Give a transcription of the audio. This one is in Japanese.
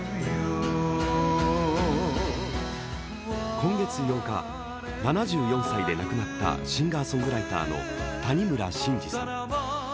今月８日、７４歳で亡くなったシンガーソングライターの谷村新司さん。